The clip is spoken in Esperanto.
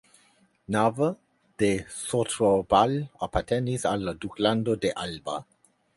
Nava de Sotrobal apartenis al la Duklando de Alba.